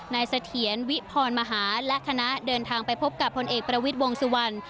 เสถียรวิพรมหาและคณะเดินทางไปพบกับพลเอกประวิทย์วงสุวรรณ